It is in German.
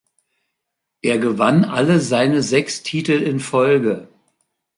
Er gewann alle seine sechs Titel in Folge.